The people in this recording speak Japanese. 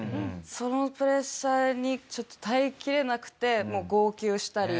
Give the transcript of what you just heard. そのプレッシャーにちょっと耐え切れなくてもう号泣したり。